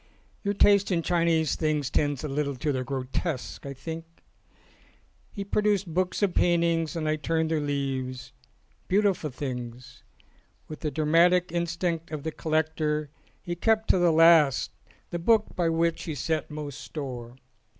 Your taste in Chinese things tends a little to the grotesque,' I think." He produced books of paintings and I turned their leaves. Beautiful things! With the dra matic instinct of the collector he kept to the last the book by which he set most store.